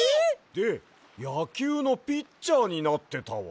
でやきゅうのピッチャーになってたわ。